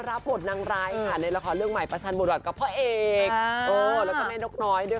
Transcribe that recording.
เรายืนปล่อยเก้าอี้เราไม่ต้องใช้มั้ย